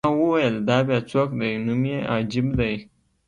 ما وویل: دا بیا څوک دی؟ نوم یې عجیب دی.